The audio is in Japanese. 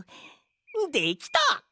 できた！